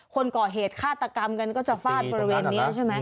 คนก่อเหตุฆาตกรรมกันก็จะฟาดบริเวณนี้ใช่ไหม